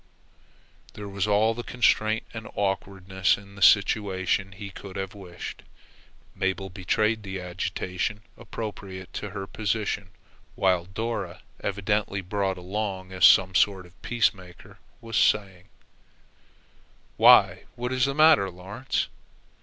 There was all the constraint and awkwardness in the situation he could have wished. Mabel betrayed the agitation appropriate to her position, while Dora, evidently brought along as some sort of peacemaker, was saying: "Why, what is the matter, Lawrence?"